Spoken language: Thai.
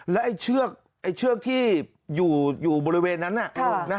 แล้วไอ้เชือกที่อยู่บริเวณนั้น